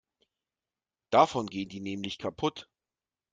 Davon gehen die nämlich kaputt.